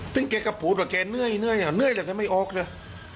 ซึ่งแกก็พูดว่าแกเหนื่อยเหนื่อยแต่แกไม่ออกเลย